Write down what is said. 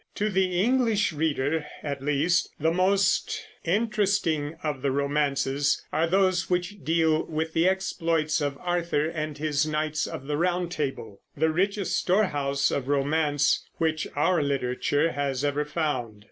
To the English reader, at least, the most interesting of the romances are those which deal with the exploits of Arthur and his Knights of the Round Table, the richest storehouse of romance which our literature has ever found.